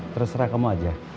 terserah kamu aja